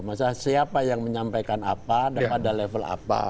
masalah siapa yang menyampaikan apa dan pada level apa